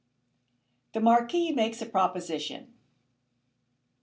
THE MARQUIS MAKES A PROPOSITION.